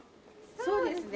そうですね。